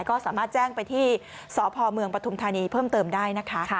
ก็สามารถแจ้งไปที่สพเมืองปฐุมธานีเพิ่มเติมได้นะคะ